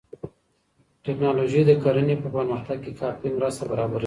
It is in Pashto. ټکنالوژي د کرنې په پرمختګ کې کافي مرسته برابروي.